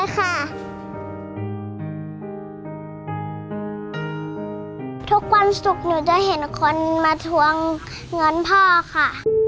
ทุกวันศุกร์หนูจะเห็นคนมาทวงเงินพ่อค่ะ